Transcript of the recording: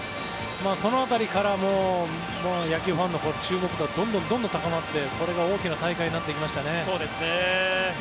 その辺りから野球ファンの注目度がどんどん高まってこれが大きな大会になっていきましたね。